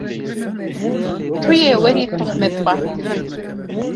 Tu yê werî tohmetbarkirin.